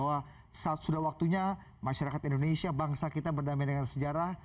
bahwa sudah waktunya masyarakat indonesia bangsa kita berdamai dengan sejarah